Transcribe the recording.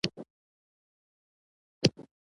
د احمد ښنځ وتلي دي؛ کار نه شي کولای.